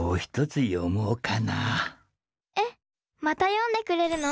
えっまた読んでくれるの？